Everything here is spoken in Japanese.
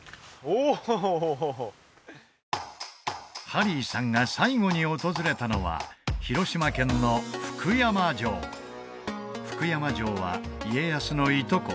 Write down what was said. ハリーさんが最後に訪れたのは広島県の福山城福山城は家康のいとこ